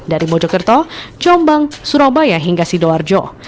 dari mojokerto jombang surabaya hingga sidoarjo